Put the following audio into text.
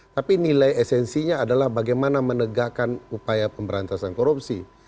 tapi nilai esensinya adalah bagaimana menegakkan upaya pemberantasan korupsi